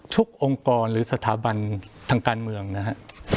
องค์กรหรือสถาบันทางการเมืองนะฮะ